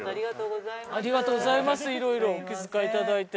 ありがとうございます。